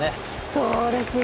そうですね。